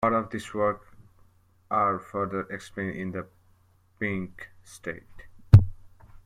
Parts of this work are further explained in the Pink State.